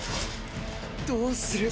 どうする？